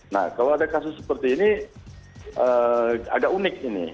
nah kalau ada kasus seperti ini agak unik ini